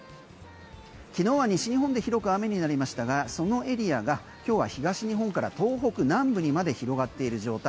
昨日は西日本で広く雨になりましたがそのエリアが今日は東日本から東北南部にまで広がっている状態